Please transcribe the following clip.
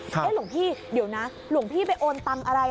หลวงพี่เดี๋ยวนะหลวงพี่ไปโอนตังค์อะไร